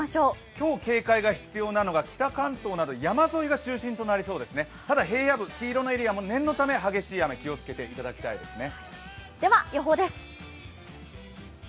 今日警戒が必要なのは北関東など山沿いが中心になりそうで、ただ平野部も黄色のエリアも激しい雨気をつけていただきたいですね。